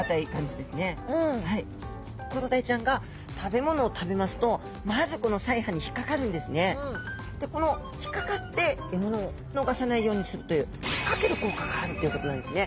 コロダイちゃんが食べ物を食べますとでこの引っかかって獲物を逃さないようにするという引っかける効果があるっていうことなんですね。